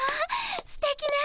すてきな歌。